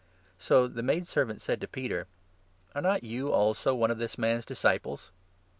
So the maidservant said to Peter : 17 "Are not you also one of this man's disciples?